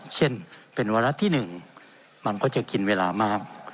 เช่นเป็นวาระที่๑มันก็จะกินเวลามาก